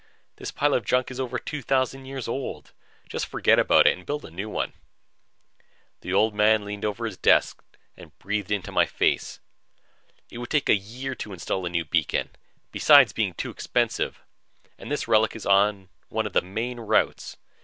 This pile of junk is over 2000 years old. Just forget about it and build a new one." The Old Man leaned over his desk, breathing into my face. "It would take a year to install a new beacon besides being too expensive and this relic is on one of the main routes.